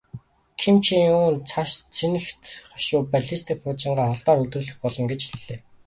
Ким Чен Ун цаашид цэнэгт хошуу, баллистик пуужингаа олноор үйлдвэрлэх болно гэж хэллээ.